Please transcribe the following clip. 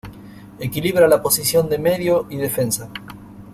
Equilibra la posición de medio y defensa.